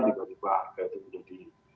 tiba tiba harga itu menjadi